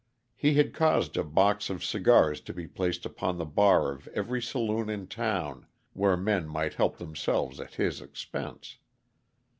He had caused a box of cigars to be placed upon the bar of every saloon in town, where men might help themselves at his expense.